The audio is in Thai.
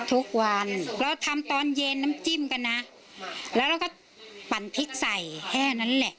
ทุกวันเราทำตอนเย็นน้ำจิ้มกันนะแล้วเราก็ปั่นพริกใส่แค่นั้นแหละ